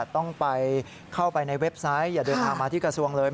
ต้องไปเข้าไปในเว็บไซต์อย่าเดินทางมาที่กระทรวงเลย